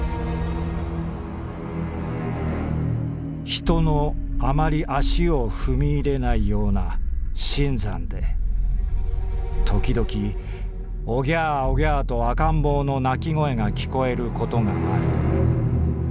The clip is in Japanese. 「人のあまり足を踏み入れないような深山でときどき『オギャーオギャー』と赤ん坊の泣き声が聞こえることがある。